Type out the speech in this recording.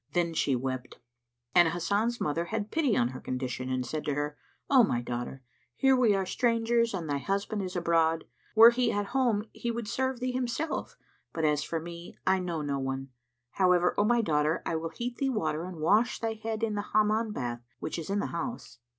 Then she wept and Hasan's mother had pity on her condition and said to her, "O my daughter, here we are strangers and thy husband is abroad. Were he at home, he would serve thee himself, but, as for me, I know no one. However, O my daughter, I will heat thee water and wash thy head in the Hammam bath which is in the house."